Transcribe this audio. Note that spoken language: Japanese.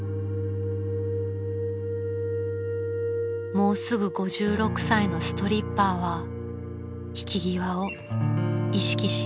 ［もうすぐ５６歳のストリッパーは引き際を意識し始めていました］